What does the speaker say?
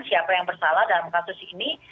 siapa yang bersalah dalam kasus ini